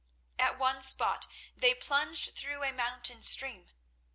At one spot they plunged through a mountain stream.